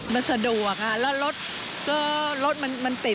มันสะดวกค่ะและรถมันติด